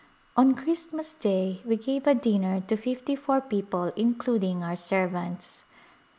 On Christmas Day we gave a dinner to fifty four people including our servants.